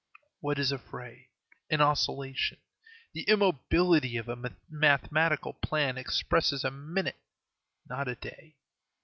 What is a fray? an oscillation? The immobility of a mathematical plan expresses a minute, not a day.